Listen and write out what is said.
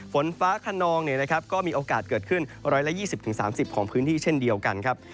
ฝนฟ้าขนองก็มีโอกาสเกิดขึ้น๑๒๐๓๐ของพื้นที่เช่นเดียวกันครับ